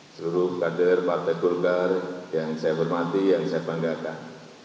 seluruh kader partai golkar yang saya hormati yang saya banggakan